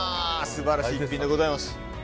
素晴らしい逸品でございます。